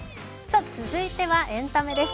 続いてはエンタメです。